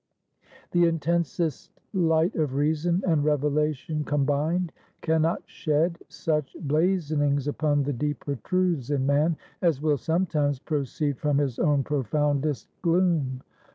The intensest light of reason and revelation combined, can not shed such blazonings upon the deeper truths in man, as will sometimes proceed from his own profoundest gloom.